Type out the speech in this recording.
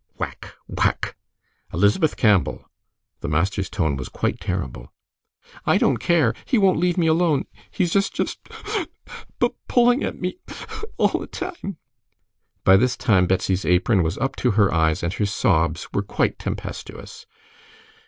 Whack! whack! "Elizabeth Campbell!" The master's tone was quite terrible. "I don't care! He won't leave me alone. He's just just (sob) pu pulling at me (sob) all the time." By this time Betsy's apron was up to her eyes, and her sobs were quite tempestuous.